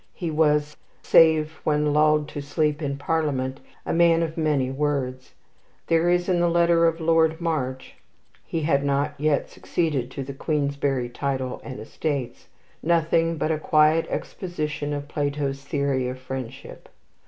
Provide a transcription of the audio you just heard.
He was, save when lulled to sleep in Parliament, a man of many words. There is in the letter of Lord March (he had not yet succeeded to the Queensberry title and estates) nothing but a quiet exposition of Plato's theory of friendship.